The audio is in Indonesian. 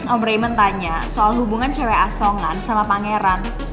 om raymond tanya soal hubungan cewek asongan sama pangeran